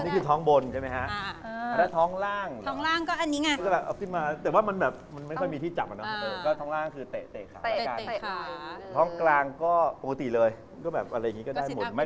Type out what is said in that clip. ขับกันเพราะว่าเราจะได้แบบว่า